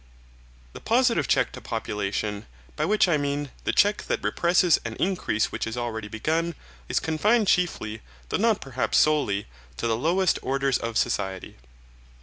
The positive check to population, by which I mean the check that represses an increase which is already begun, is confined chiefly, though not perhaps solely, to the lowest orders of society.